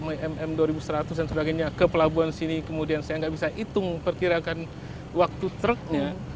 imm dua ribu seratus dan sebagainya ke pelabuhan sini kemudian saya nggak bisa hitung perkirakan waktu truknya